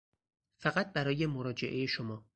فقط برای مراجعه شما